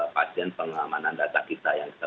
pasien pengalamanan data kita yang kita